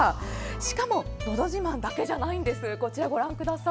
しかも「のど自慢」だけじゃないんです。